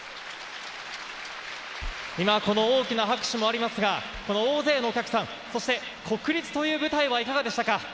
大きな拍手もありますが、大勢のお客さん、国立という舞台はいかがでしたか？